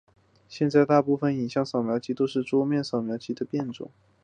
现在大部份影像扫描机都是桌面扫描机的变种。